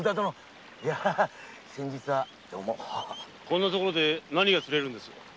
こんな所で何が釣れるんです？